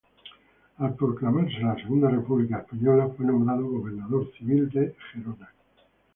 Al proclamarse la Segunda República Española, fue nombrado gobernador civil de Gerona.